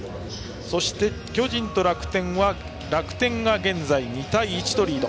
そして巨人と楽天は楽天が現在２対１とリード。